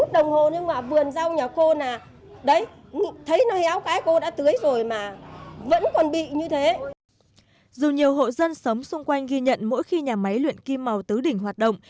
dù nhiều hộ dân sống xung quanh ghi nhận mỗi khi nhà máy luyện kim màu tứ đỉnh hoạt động